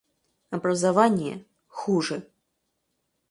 Образование — хуже.